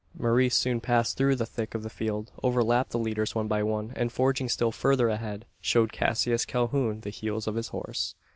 Maurice soon passed through the thick of the field, overlapped the leaders one by one; and forging still further ahead, showed Cassius Calhoun the heels of his horse.